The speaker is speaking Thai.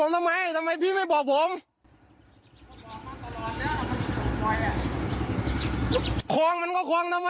ดีไม่ดีมันมาด่วนตาผมอะ